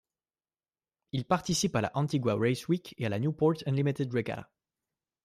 Il participe à la Antigua race Week et à la Newport Unlimited Regatta.